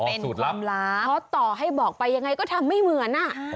เป็นสูตรล้ำล้าเพราะต่อให้บอกไปยังไงก็ทำไม่เหมือนอ่ะ